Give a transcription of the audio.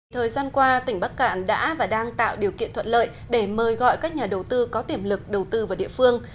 thời gian qua tỉnh bắc cạn đã và đang tạo điều kiện thuận lợi để mời gọi các nhà đầu tư có tiềm lực đầu tư vào địa phương